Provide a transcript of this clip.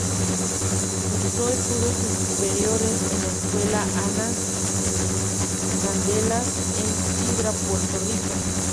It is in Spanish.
Cursó estudios superiores en la Escuela Ana J. Candelas, en Cidra, Puerto Rico.